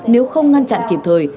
nếu không ngăn chặn kịp thời